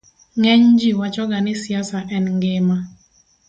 ng'eny ji wacho ga ni siasa en ngima